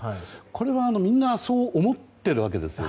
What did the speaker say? これはみんなそう思っているわけです。